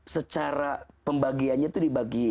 secara pembagiannya itu dibagi